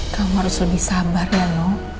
kamu harus lebih sabar ya nong